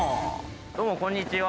どうもこんにちは。